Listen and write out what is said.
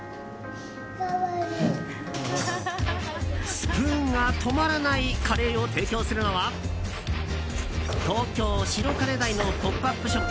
スプーンが止まらないカレーを提供するのは東京・白金台のポップアップショップ